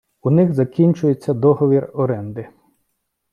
У них закінчується договір оренди.